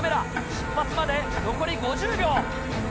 出発まで残り５０秒。